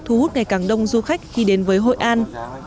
thu hút ngày càng đông du khách khi đến với hội an